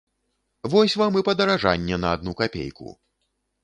Вось вам і падаражанне на адну капейку!